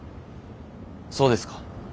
そうですか。